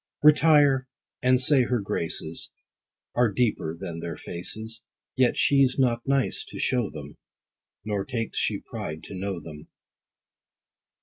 Retire, and say her graces Are deeper than their faces, Yet she's not nice to show them, Nor takes she pride to know them.